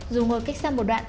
dù ngồi cách xa một đoạn